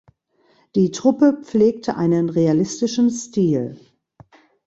Die Truppe pflegte einen realistischen Stil.